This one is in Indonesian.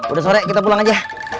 udah sore kita pulang aja